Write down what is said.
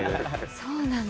そうなんだ。